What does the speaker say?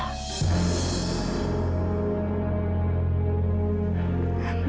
maaf bu tini